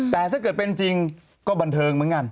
แต่ถ้าเกิดเป็นจริงก็บันเทิงเหมือนกัน